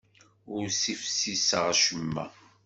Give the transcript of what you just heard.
Ur ssifsiseɣ acemma.